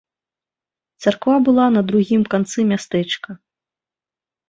Царква была на другім канцы мястэчка.